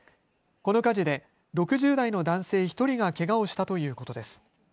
この火事で６０代の男性１人がけがをしたということです。